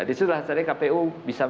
disitulah seharusnya kpu bisa